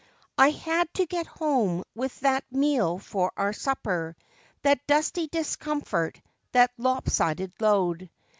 I had to get home with that meal for our supper; that dusty discomfort, that lop sided load.